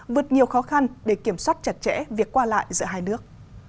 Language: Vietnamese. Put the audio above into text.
vượt nhiều khó khăn để kiểm soát chặt chẽ việc qua lại giữa hai nước